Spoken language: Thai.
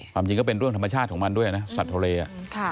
จริงก็เป็นเรื่องธรรมชาติของมันด้วยนะสัตว์ทะเลอ่ะ